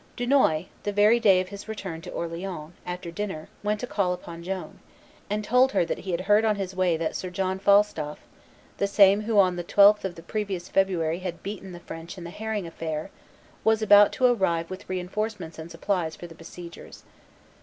Dunois, the very day of his return to Orleans, after dinner, went to call upon Joan, and told her that he had heard on his way that Sir John Falstolf, the same who on the 12th of the previous February had beaten the French in the Herring affair, was about to arrive with re enforcements and supplies for the besiegers.